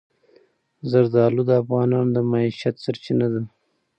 زردالو د افغانانو د معیشت سرچینه ده.